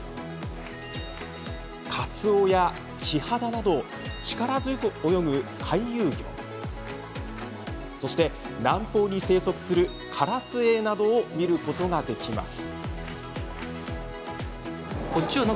カツオやキハダなど力強く泳ぐ回遊魚や南方に生息するカラスエイなどを見ることができます。